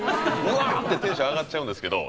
うわってテンション上がっちゃうんですけど